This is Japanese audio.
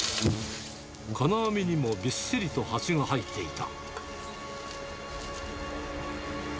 金網にもびっしりとハチが入っていた。